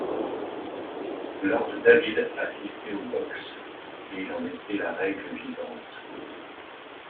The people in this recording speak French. Lord David assistait aux boxes, et il en était la règle vivante.